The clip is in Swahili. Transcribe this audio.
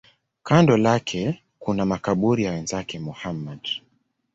Kando lake kuna makaburi ya wenzake Muhammad.